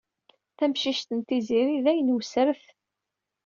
Tamcict n Tiziri dayen wessret.